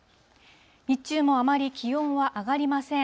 日中もあまり気温は上がりません。